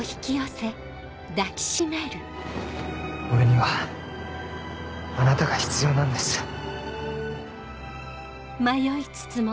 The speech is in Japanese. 俺には。あなたが必要なんです。